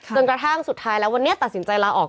กระทั่งสุดท้ายแล้ววันนี้ตัดสินใจลาออก